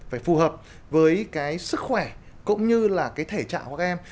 phải phù hợp với cái sức khỏe cũng như là cái thể trạng của các em